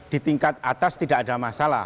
di tingkat atas tidak ada masalah